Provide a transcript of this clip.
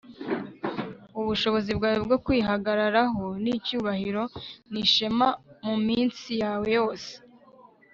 ubushobozi bwawe bwo kwihagararaho n'icyubahiro n'ishema muminsi yawe yose